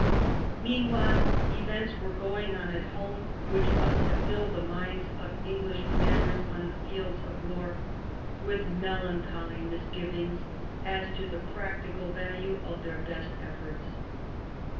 Meanwhile events were going on at home which must have filled the minds of English commanders on the fields of war with melancholy misgivings as to the practical value of their best efforts.